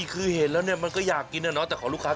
คืออย่างนี้อยากจะดูใกล้